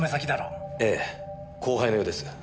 ええ後輩のようです。